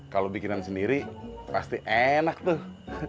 kalau bikinan sendiri pasti enak tuh